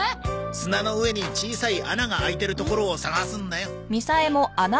砂の上に小さい穴が開いてるところを探すんだよ。